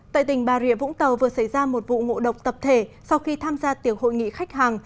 tại tỉnh bà rịa vũng tàu vừa xảy ra một vụ ngộ độc tập thể sau khi tham gia tiểu hội nghị khách hàng